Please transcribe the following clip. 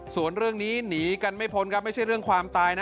ส่วนเรื่องนี้หนีกันไม่พ้นครับไม่ใช่เรื่องความตายนะ